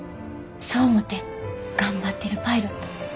そう思って頑張ってるパイロット。